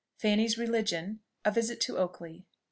FANNY'S RELIGION. A VISIT TO OAKLEY.